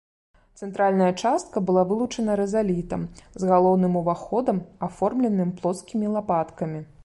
Цэнтральная частка была вылучана рызалітам з галоўным уваходам, аформленым плоскімі лапаткамі.